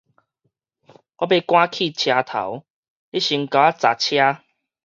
我欲趕去車頭，你先共我閘車